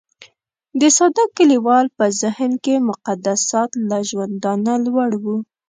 د ساده کليوال په ذهن کې مقدسات له ژوندانه لوړ وو.